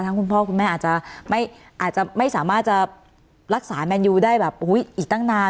คุณพ่อคุณแม่อาจจะไม่สามารถจะรักษาแมนยูได้แบบอีกตั้งนาน